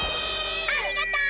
ありがとう！